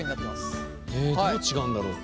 えどう違うんだろう？